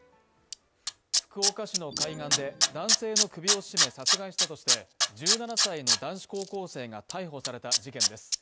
福岡市の海岸で男性の首を絞め殺害したとして１７歳の男子高校生が逮捕された事件です。